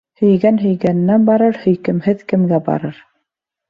Һөйгән һөйгәненә барыр, һөйкөмһөҙ кемгә барыр?